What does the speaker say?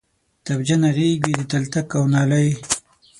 تبجنه غیږ وی د تلتک او نالۍ